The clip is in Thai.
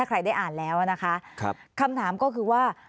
ใครได้อ่านแล้วนะคะครับคำถามก็คือว่า